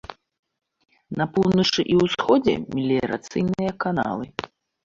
На поўначы і ўсходзе меліярацыйныя каналы.